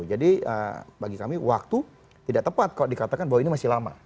jadi bagi kami waktu tidak tepat kalau dikatakan bahwa ini masih lama